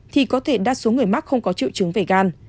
thì có thể đa số người mắc không có triệu chứng về gan